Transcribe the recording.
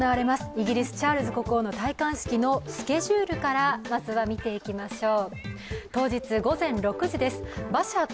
イギリス・チャールズ国王の戴冠式のスケジュールをまず見ていきましょう。